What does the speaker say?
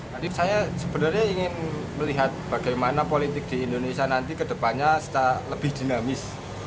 jadi saya sebenarnya ingin melihat bagaimana politik di indonesia nanti ke depannya lebih dinamis